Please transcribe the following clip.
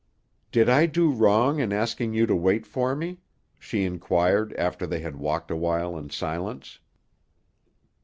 "Did I do wrong in asking you to wait for me?" she inquired, after they had walked awhile in silence.